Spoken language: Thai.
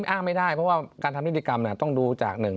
อ้างไม่ได้เพราะว่าการทำนิติกรรมต้องดูจากหนึ่ง